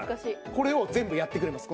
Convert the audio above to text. これを全部やってくれます。